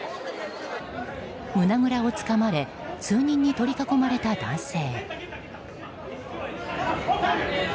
胸ぐらをつかまれ数人に取り囲まれた男性。